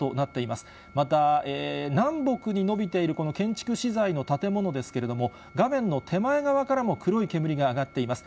また、南北にのびているこの建築資材の建物ですけれども、画面の手前側からも黒い煙が上がっています。